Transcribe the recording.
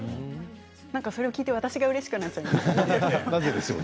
それを聞いて私がうれしくなっちゃって。